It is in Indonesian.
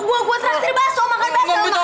ntar gue serak seri baso makan baso makan bakso